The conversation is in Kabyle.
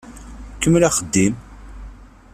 Kemmel axeddim!